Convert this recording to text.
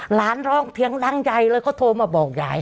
ร้องเสียงรังใหญ่เลยเขาโทรมาบอกยาย